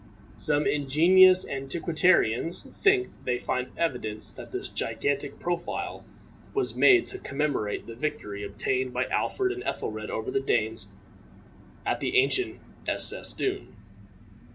Some ingenious antiquarians think they find evidence that this gigantic profile was made to commemorate the victory obtained by Alfred and Ethelred over the Danes at the ancient Æscesdune.